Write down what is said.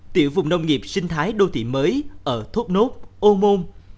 tiểu vùng nông nghiệp sinh thái đô thị mới ở thốt nốt ô môn